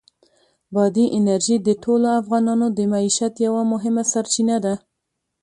بادي انرژي د ټولو افغانانو د معیشت یوه مهمه سرچینه ده.